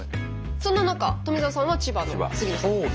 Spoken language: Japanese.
そんな中富澤さんは千葉の杉野さん。